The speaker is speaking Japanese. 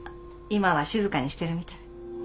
今は静かにしてるみたい。